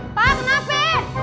pak kena api